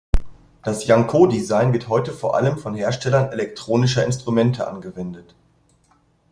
Das Jankó-Design wird heute vor allem von Herstellern elektronischer Instrumente angewendet.